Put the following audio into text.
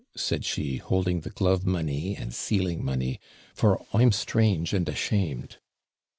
said she, holding the GLOVE MONEY and SEALING MONEY, 'for I'm strange and ashamed.'